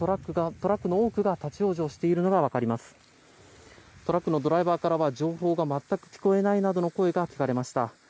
トラックのドライバーからは情報が全く聞こえないなどの声が聞かれました。